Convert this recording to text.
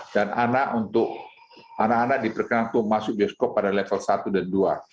dan anak untuk anak anak diperkenalkan masuk bioskop pada level satu dan dua